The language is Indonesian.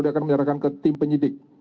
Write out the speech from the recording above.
dia akan menyerahkan ke tim penyidik